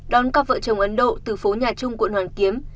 đón cặp vợ chồng ấn độ từ phố nhà trung quận hoàn kiếm